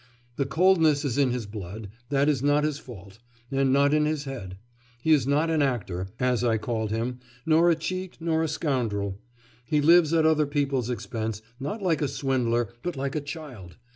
The coldness is in his blood that is not his fault and not in his head. He is not an actor, as I called him, nor a cheat, nor a scoundrel; he lives at other people's expense, not like a swindler, but like a child....